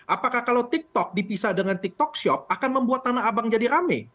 apakah kalau tiktok dipisah dengan tiktok shop akan membuat tanah abang jadi rame